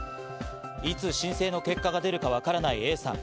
いつ申請の結果が出るかわからないＡさん。